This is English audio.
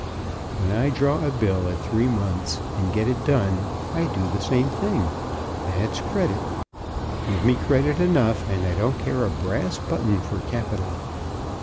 When I draw a bill at three months, and get it done, I do the same thing. That's credit. Give me credit enough, and I don't care a brass button for capital.